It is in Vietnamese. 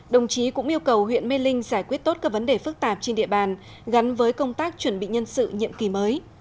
đồng chí cũng yêu cầu huyện mê linh giải quyết tốt các vấn đề phức tạp trên địa bàn gắn với công tác chuẩn bị nhân sự nhiệm kỳ mới